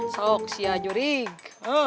sok sia jurig